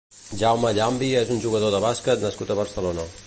Jaume Llambi és un jugador de bàsquet nascut a Barcelona.